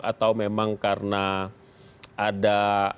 atau memang karena ada